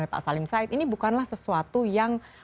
pak salim said ini bukanlah sesuatu yang